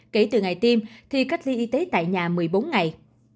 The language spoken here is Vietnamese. kể từ ngày tiêm thì cách ly y tế tại nhà một mươi bốn ngày